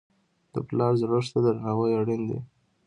د پلار زړښت ته درناوی اړین دی.